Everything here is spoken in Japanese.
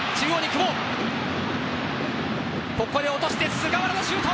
菅原のシュート！